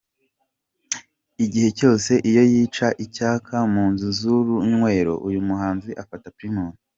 Igihe cyose iyo yica icyaka mu nzu z’urunywero, uyu muhanzi afata Primus.